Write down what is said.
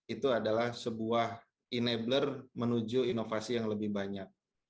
itu adalah sebuah enabler menuju inovasi yang lebih banyak